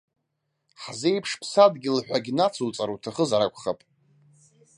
Ҳзеиԥш ԥсадгьыл ҳәагьы нацуҵар уҭахызар акәхап.